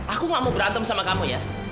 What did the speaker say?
aku gak mau berantem sama kamu ya